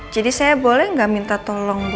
jadi saya boleh gak minta tolong bu